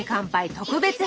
特別編。